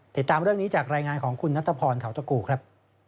ติดตามเรื่องนี้จากรายงานของคุณนัทพรเทาตะกูครับ